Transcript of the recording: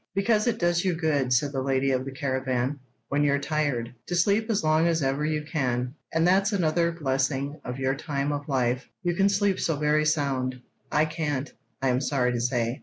"Because it does you good," said the lady of the caravan, "when you're tired, to sleep as long as ever you can; and that's another blessing of your time of life—you can sleep so very sound; I can't, I'm sorry to say."